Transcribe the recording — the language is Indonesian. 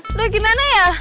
aduh gimana ya